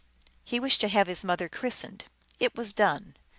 He wished to have his mother christened. It was done.